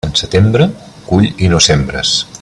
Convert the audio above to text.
En setembre, cull i no sembres.